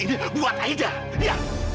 ini buat aida lah